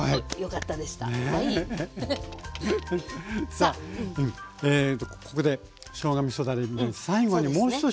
さあここでしょうがみそだれ最後にもう１品